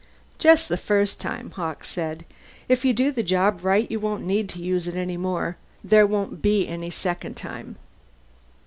"Just the first time," Hawkes said. "If you do the job right, you won't need to use it any more. There won't be any second time."